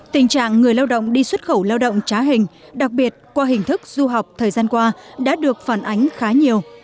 tình trạng người lao động đi xuất khẩu lao động trá hình đặc biệt qua hình thức du học thời gian qua đã được phản ánh khá nhiều